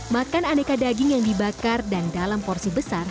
makan aneka daging yang dibakar dan dalam porsi besar